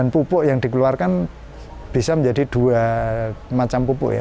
pupuk yang dikeluarkan bisa menjadi dua macam pupuk ya